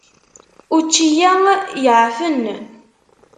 Učči-ya yeεfen.